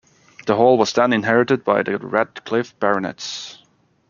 The hall was then inherited by the Radcliffe Baronets.